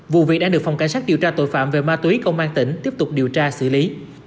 vụ việc đang được phòng cảnh sát điều tra tội phạm về ma túy công an tỉnh tiếp tục điều tra xử lý